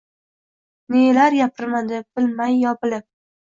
Nelar gapirmadi bilmay yo bilib